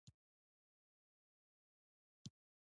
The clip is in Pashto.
د ارواپوهنې ټولنپوهنې او فلسفې کتابونو څخه یې اخیستې.